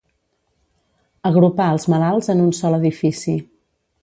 Agrupar els malalts en un sol edifici.